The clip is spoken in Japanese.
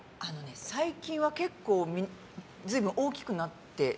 最近は結構、随分大きくなって。